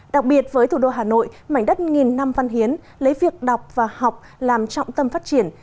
đặc biệt với thủ đô hà nội mảnh đất nghìn năm văn hiến lấy việc đọc và học làm trọng tâm phát triển